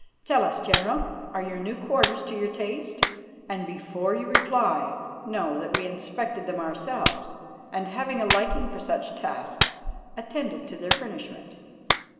Tell us, General, are your new quarters to your taste, and before you reply know that we inspected them ourselves, and, having a liking for such tasks, attended to their furnishment.